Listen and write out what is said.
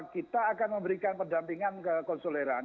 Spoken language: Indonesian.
kita akan memberikan perdampingan ke konsuleraan